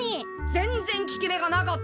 全然効き目がなかったんだよ！